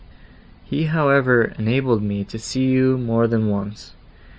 He however enabled me to see you more than once.